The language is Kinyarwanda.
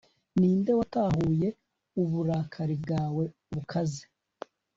ni nde watahuye uburakari bwawe bukaze